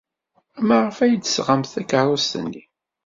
Maɣef ay d-tesɣamt takeṛṛust-inni?